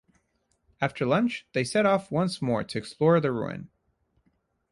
After lunch they set off once more to explore the ruin.